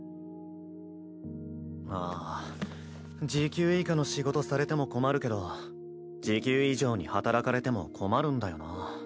ああ時給以下の仕事されても困るけど時給以上に働かれても困るんだよなぁ。